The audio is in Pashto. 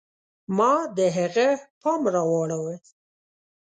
ما د هغه پام را واړوه.